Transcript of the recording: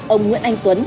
ông nguyễn anh tuấn